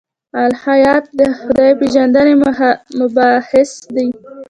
الهیات د خدای پېژندنې مباحث دي.